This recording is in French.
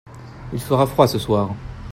Il fera froid ce soir.